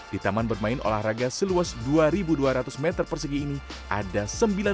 di taman bermain olahraga seluas dua dua ratus meter persegi ini ada sembilan belas spot permainan sport virtual